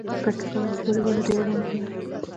د پکتیکا زلزله ولې ډیره مرګونې وه؟